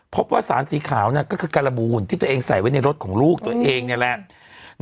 พบว่าสารสีขาวก็คือการบูนที่ตัวเองใส่ไว้ในรถของลูกตัวเองนี่แหละ